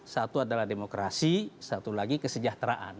satu adalah demokrasi satu lagi kesejahteraan